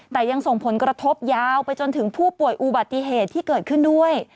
แต่ยังส่งผลกระทบยาวไปจนถึงผู้ป่วยอุบัติเหตุที่เกิดขึ้นด้วย